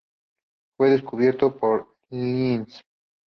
Fue descubierto por Lenz.